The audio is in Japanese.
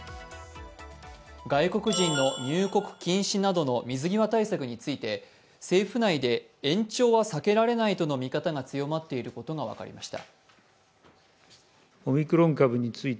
外国人の入国禁止などの水際対策について、政府内で延長は避けられないとの見方が強まっていることが分かりました。